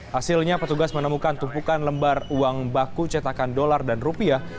hasilnya petugas menemukan tumpukan lembar uang baku cetakan dolar dan rupiah